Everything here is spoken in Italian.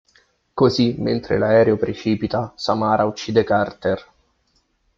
Così mentre l’aereo precipita, Samara uccide Carter.